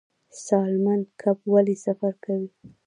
سالمن کب ولې سفر کوي؟